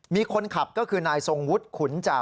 มีคนขับก็คือนายทรงวุฒิขุนจ่า